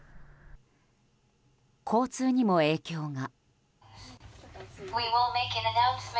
交通にも影響が。